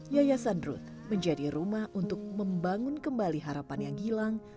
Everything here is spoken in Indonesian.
yayasan ruth menjadi rumah untuk membangun kembali harapan yang gilang